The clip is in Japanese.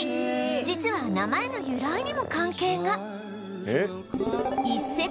実は名前の由来にも関係が